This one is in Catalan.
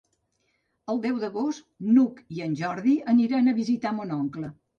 El deu d'agost n'Hug i en Jordi aniran a visitar mon oncle.